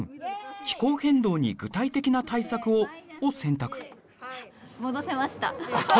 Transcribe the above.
「気候変動に具体的な対策を」を選択。